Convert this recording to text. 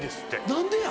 何でや？